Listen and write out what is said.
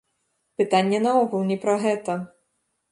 Пытанне наогул не пра гэта!